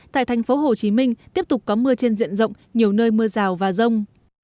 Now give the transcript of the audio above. tại thành phố hồ chí minh tiếp tục có mưa trên diện rộng nhiều nơi mưa rào và rông